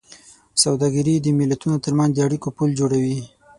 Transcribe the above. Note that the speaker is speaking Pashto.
سوداګري د ملتونو ترمنځ د اړیکو پُل جوړوي.